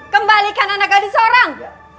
kembalikan anak gadis seorang